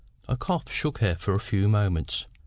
A cough shook her for a few moments.